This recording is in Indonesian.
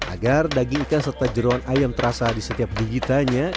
agar daging ikan serta jeruan ayam terasa di setiap gigitannya